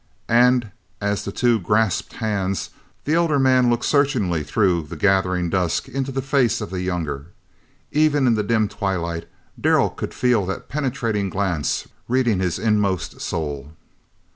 And as the two grasped hands the elder man looked searchingly through the gathering dusk into the face of the younger. Even in the dim twilight, Darrell could feel that penetrating glance reading his inmost soul.